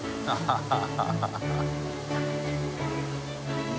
ハハハ